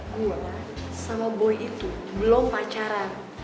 gue sama boy itu belum pacaran